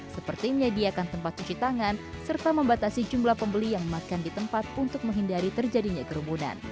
seperti menyediakan tempat cuci tangan serta membatasi jumlah pembeli yang makan di tempat untuk menghindari terjadinya kerumunan